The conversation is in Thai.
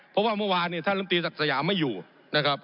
ผมอภิปรายเรื่องการขยายสมภาษณ์รถไฟฟ้าสายสีเขียวนะครับ